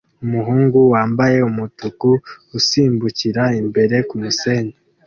Umuhungu wambaye umutuku usimbukira imbere kumusenyi